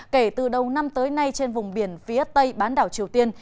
kể từ đầu năm tới nay trên vùng biển phía tây bán đảo triều tiên